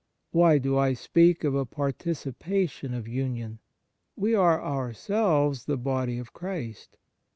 Why do I speak of a participation of union ? We are ourselves the body of Christ.